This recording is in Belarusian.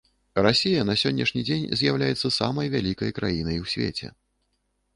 Расія на сённяшні дзень з'яўляецца самай вялікай краінай у свеце.